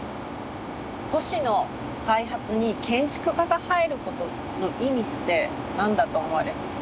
都市の開発に建築家が入ることの意味って何だと思われます？